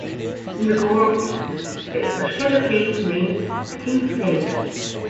In the Gore Glen there is a shallow cave, named "The King's Cave".